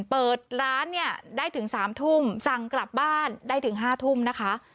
เปิดร้านเนี่ยได้ถึง๓ทุ่มสั่งกลับบ้านได้ถึง๕ทุ่มนะคะ